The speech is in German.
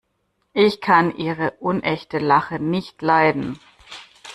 Ich kann ihre unechte Lache nicht leiden.